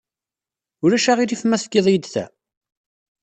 Ulac aɣilif ma tefkiḍ-iyi-d ta?